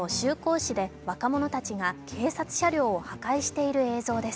市で若者たちが警察車両を破壊している映像です。